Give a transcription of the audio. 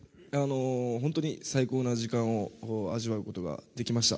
本当に最高な時間を味わうことができました。